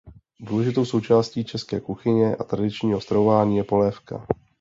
Důležitou součástí české kuchyně a tradičního stravování je polévka.